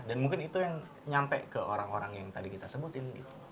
dan mungkin itu yang nyampe ke orang orang yang tadi kita sebutin gitu